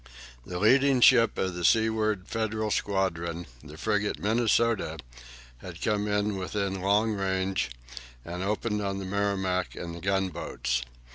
The leading ship of the seaward Federal squadron, the frigate "Minnesota," had come in within long range, and opened on the "Merrimac" and the gunboats.